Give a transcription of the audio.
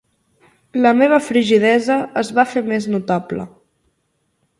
La meva frigidesa es va fer més notable.